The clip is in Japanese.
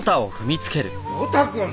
呂太くん